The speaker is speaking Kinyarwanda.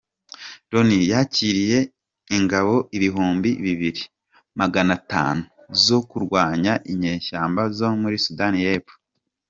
Loni yakiriye ingabo Ibihumbi bibiri maganatanu zo kurwanya inyeshyamba zo muri Sudani y’Epfo